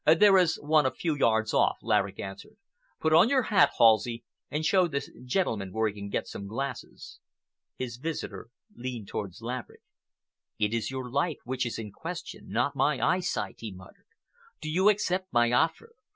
"There is one a few yards off," Laverick answered. "Put on your hat, Halsey, and show this gentleman where he can get some glasses." His visitor leaned towards Laverick. "It is your life which is in question, not my eyesight," he muttered. "Do you accept my offer?